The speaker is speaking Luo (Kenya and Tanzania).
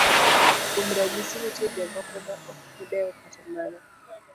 Kuom ranyisi, nitie jomoko maok dew kata mana